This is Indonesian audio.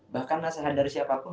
bahkan nasihat dari siapapun